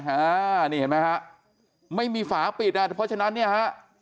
อ่านี่เห็นไหมฮะไม่มีฝาปิดอ่ะเพราะฉะนั้นเนี่ยฮะ